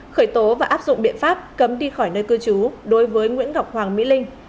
khởi tố và áp dụng biện pháp cấm đi khỏi nơi cư trú đối với nguyễn ngọc hoàng mỹ linh